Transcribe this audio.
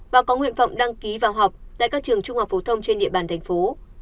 và có nguyện vọng đăng ký vào học tại các trường trung học phổ thông trên địa bàn thành phố